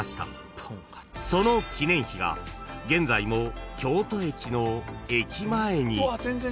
［その記念碑が現在も京都駅の駅前に］